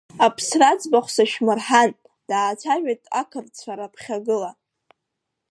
Аԥсра аӡбахә сышәмырҳан, даацәажәеит ақырҭцәа раԥхьагыла…